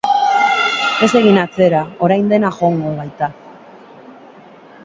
Ez egin atzera orain dena ondo joango baita.